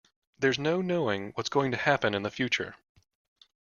There's no knowing what's going to happen in the future.